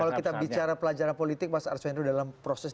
kalau kita bicara pelajaran politik mas arswendo dalam proses